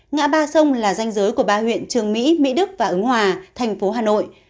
ngã ba sông là danh giới của ba huyện trường mỹ mỹ đức và ứng hòa thành phố hà nội